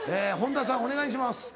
本田さんお願いします。